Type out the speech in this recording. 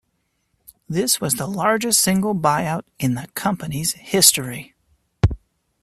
This was the largest single buy-out in the company's history.